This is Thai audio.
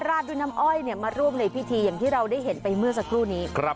ราดด้วยน้ำอ้อยมาร่วมในพิธีอย่างที่เราได้เห็นไปเมื่อสักครู่นี้